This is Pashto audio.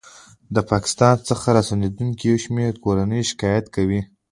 ه پاکستان څخه راستنېدونکې یو شمېر کورنۍ شکایت کوي